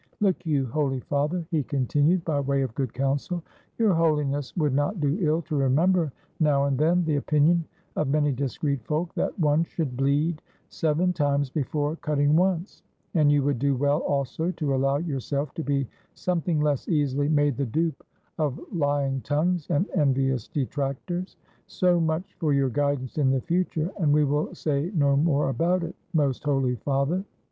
Look you. Holy Father," he continued, by way of good counsel, "Your Holiness would not do ill to remember now and 71 ITALY then the opinion of many discreet folk, that one should bleed seven times before cutting once, and you would do well also to allow yourself to be something less easily made the dupe of lying tongues and envious detractors; so much for your guidance in the future, and we will say no more about it, Most Holy Father."